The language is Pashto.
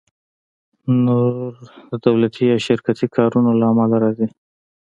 نور د دولتي یا شرکتي کارونو له امله راځي